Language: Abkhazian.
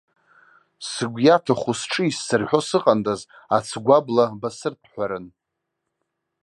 Сгәы иаҭаху сҿы исзарҳәо сыҟандаз, ацгәы абла басырҭәҳәарын!